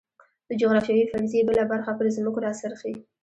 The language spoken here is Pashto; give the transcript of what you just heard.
د جغرافیوي فرضیې بله برخه پر ځمکو راڅرخي.